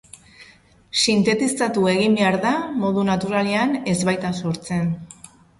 Sintetizatu egin behar da, modu naturalean ez baita sortzen.